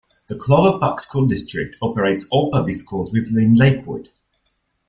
The Clover Park School District operates all public schools within Lakewood.